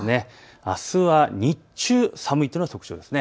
あすは日中寒いというのが特徴です。